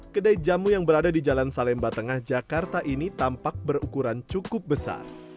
kedai jamu yang berada di jalan salemba tengah jakarta ini tampak berukuran cukup besar